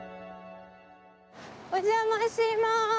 お邪魔しまーす！